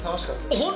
本当？